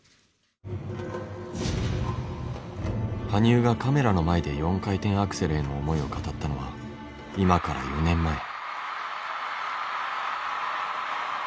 羽生がカメラの前で４回転アクセルへの思いを語ったのは今から４年前。